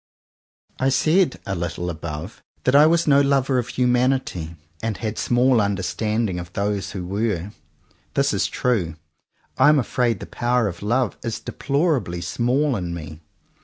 I said, a little above, that I was no lover of humanity, and had small understanding 113 CONFESSIONS OF TWO BROTHERS of those who were. This is true. I am afraid the power of love is deplorably small in me.